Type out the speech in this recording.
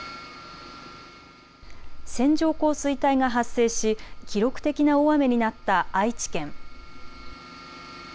線状降水帯が発生し記録的な大雨になった愛知県。